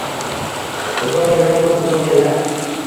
Uzoq yillar, ko‘p uzoq yillar